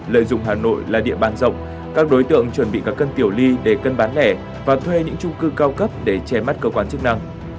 lợi dụng hà nội là địa bàn rộng các đối tượng chuẩn bị các cân tiểu ly để cân bán lẻ và thuê những trung cư cao cấp để che mắt cơ quan chức năng